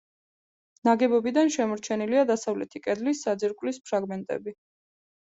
ნაგებობიდან შემორჩენილია დასავლეთი კედლის საძირკვლის ფრაგმენტები.